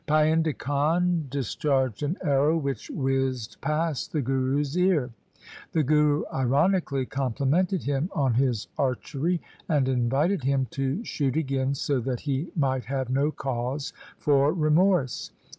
Painda Khan dis charged an arrow which whizzed past the Guru's ear. The Guru ironically complimented him on his archery, and invited him to shoot again so that he might have no cause for remorse.